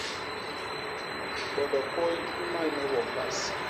Bondokôy i mal me wom mbas.